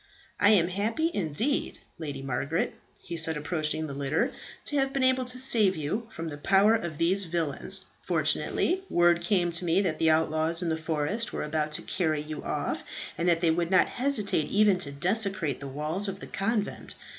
"I am happy indeed, Lady Margaret," he said approaching the litter, "to have been able to save you from the power of these villains. Fortunately, word came to me that the outlaws in the forest were about to carry you off, and that they would not hesitate even to desecrate the walls of the convent.